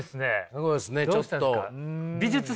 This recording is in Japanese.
すごいっすねちょっと。